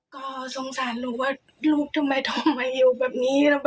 ก็สงสารลูกว่าลูกทำไมต้องมาอยู่แบบนี้